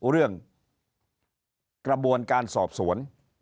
เรื่องกระบวนการสอบสวน